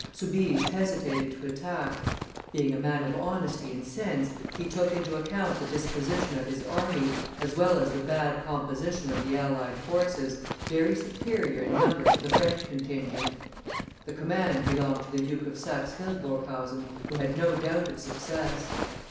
Soubise hesitated to attack; being a man of honesty and sense, he took into account the disposition of his army, as well as the bad composition of the allied forces, very superior in number to the French contingent. The command belonged to the Duke of Saxe Hildburghausen, who had no doubt of success.